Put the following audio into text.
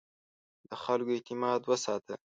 د خلکو اعتماد وساته.